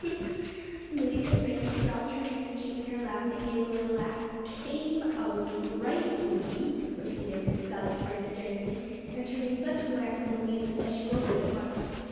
Louisa Frink dropped her handkerchief in her lap, and gave a little laugh. "Came out rightly!" repeated Miss Salisbury sternly, and turning such a glance on Louisa that she wilted at once.